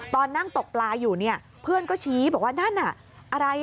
ตอนนั่งตกปลายอยู่เพื่อนก็ชี้บอกว่านั่นอะไร